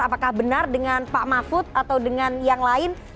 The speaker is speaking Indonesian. apakah benar dengan pak mahfud atau dengan yang lain